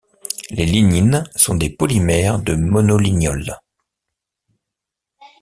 Les lignines sont des polymères de monolignols.